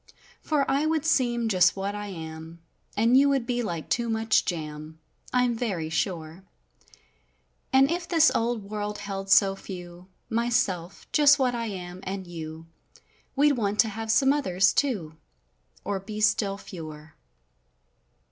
For I would seem just what I am, and you would be like too much jam I'm very sure; And if this old world held so few—my¬ self, just what I am, and you, We'd want to have some others, too. Or be still fewer.